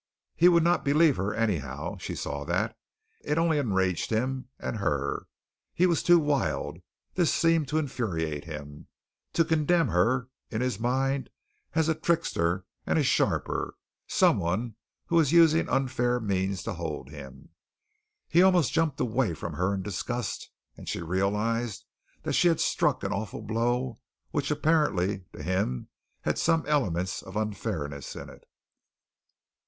He would not believe her, anyhow now, she saw that. It only enraged him and her. He was too wild. This seemed to infuriate him to condemn her in his mind as a trickster and a sharper, someone who was using unfair means to hold him. He almost jumped away from her in disgust, and she realized that she had struck an awful blow which apparently, to him, had some elements of unfairness in it.